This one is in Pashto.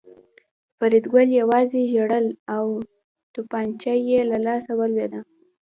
فریدګل یوازې ژړل او توپانچه یې له لاسه ولوېده